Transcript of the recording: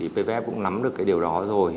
pvf cũng nắm được điều đó rồi